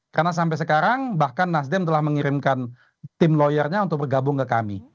karena sampai sekarang bahkan nasdem telah mengirimkan tim lawyernya untuk bergabung ke kami